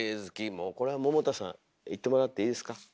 もうこれは百田さんいってもらっていいですか？